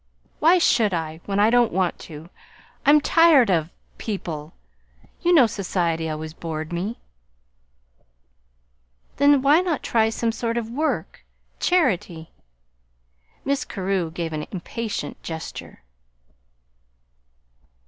"Why should I, when I don't want to? I'm tired of people. You know society always bored me." "Then why not try some sort of work charity?" Mrs. Carew gave an impatient gesture.